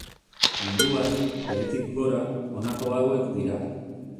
Munduak, behetik gora, honako hauek dira.